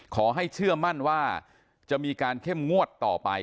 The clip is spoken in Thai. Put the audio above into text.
เชื่อมั่นว่าจะมีการเข้มงวดต่อไป